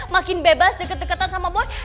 makin bebas deket deketan sama board